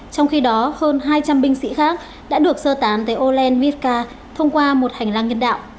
trong khi đó hơn hai trăm linh binh sĩ khác đã được sơ tán tới oland miskar thông qua một hành lang nhân đạo